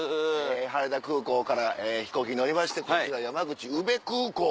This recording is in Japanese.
羽田空港から飛行機乗りましてこちら山口宇部空港。